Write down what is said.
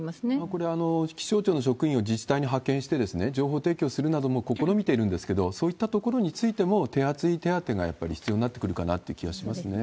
これ、気象庁の職員を自治体に派遣して情報提供するなども試みているんですけれども、そういったところについても、手厚い手当がやっぱり必要になってくるかなという気はしますよね。